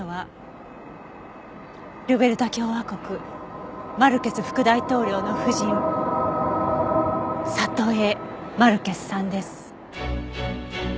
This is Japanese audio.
ルベルタ共和国マルケス副大統領の夫人サトエ・マルケスさんです。